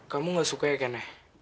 kamu gak suka ya ken